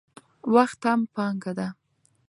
وخت هم پانګه ده.